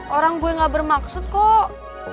orang gue gak bermaksud kok